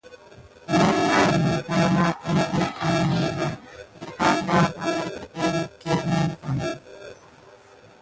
Mirmek daouhalà ékile à nakuda depak daouha lukude net kirini va neɗe.